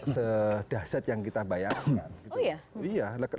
sedahsyat yang kita bayangkan